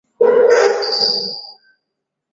waziri kumi na sita wa fedha wa mataifa ya ulaya